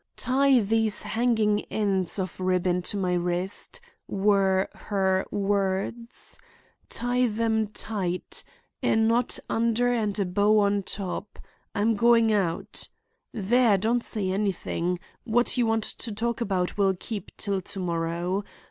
'Tie these hanging ends of ribbon to my wrist,' were her words. 'Tie them tight; a knot under and a bow on top. I am going out— There, don't say anything— What you want to talk about will keep till tomorrow.